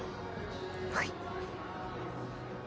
はい。